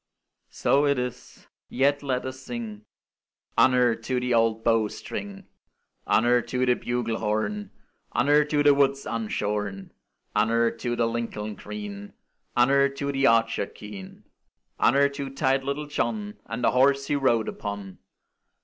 So it is; yet let us sing Honour to the old bow string! Honour to the bugle horn! Honour to the woods unshorn! Honour to the Lincoln green! Honour to the archer keen! Honour to tight little John, And the horse he rode upon!